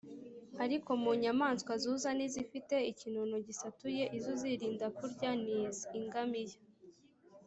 ariko mu nyamaswa zuza n’izifite ikinono gisatuye, izo uzirinda kurya ni izi: ingamiya